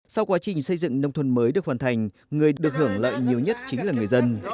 sau quá trình xây dựng nông thôn mới được hoàn thành người được hưởng lợi nhiều nhất chính là người dân